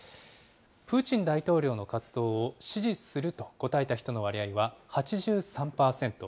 プーチン大統領の活動を支持すると答えた人の割合は８３％。